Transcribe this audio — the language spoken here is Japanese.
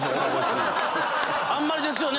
あんまりですよね